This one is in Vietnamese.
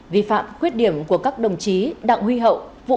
vi phạm khuyết điểm của các đồng chí đặng huy hậu